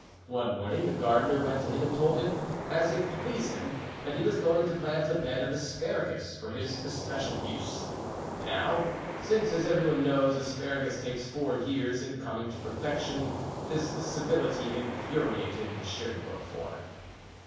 One morning the gardener went to him and told him, as if to please him, that he was going to plant a bed of asparagus for his especial use. Now, since, as every one knows, asparagus takes four years in coming to perfection, this civility infuriated Monsieur de Beaufort.